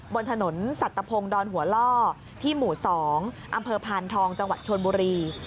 บนถนนสัตวพงศ์ดอนหัวล่อที่หมู่๒อำเภอพานทองจังหวัดชนบุรี